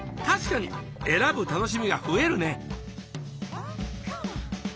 確かに選ぶ楽しみが増えるね。